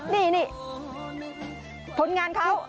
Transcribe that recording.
นี่ผลงานเขา